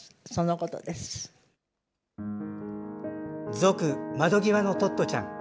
続窓ぎわのトットちゃん。